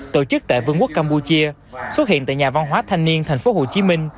tổ chức tại vương quốc campuchia xuất hiện tại nhà văn hóa thanh niên tp hcm